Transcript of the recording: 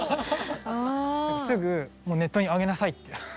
すぐネットに上げなさいって。